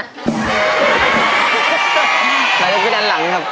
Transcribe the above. ขายนมไปด้านหลังครับ